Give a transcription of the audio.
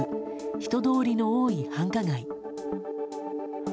人通りの多い繁華街。